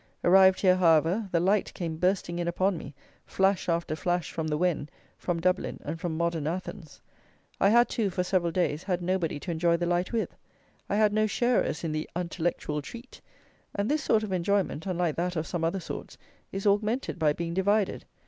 Arrived here, however, the light came bursting in upon me, flash after flash, from the Wen, from Dublin, and from Modern Athens. I had, too, for several days, had nobody to enjoy the light with. I had no sharers in the "anteelactual" treat, and this sort of enjoyment, unlike that of some other sorts, is augmented by being divided.